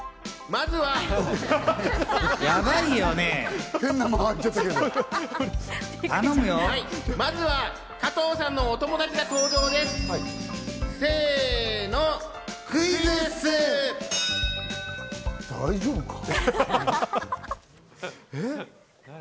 まずは加藤さんのお友達が大丈夫か？